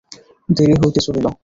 দেরি হইতে চলিল।